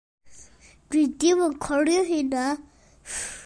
Dw i ddim yn coelio hynna.